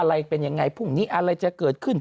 อะไรเป็นยังไงพรุ่งนี้อะไรจะเกิดขึ้น